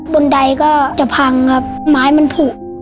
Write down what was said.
บนใดก็จะพังครับไม้มันผูก